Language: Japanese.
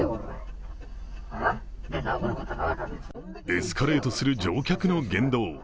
エスカレートする乗客の言動。